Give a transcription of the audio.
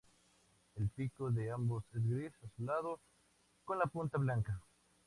El pico de ambos es gris azulado con la punta blanca.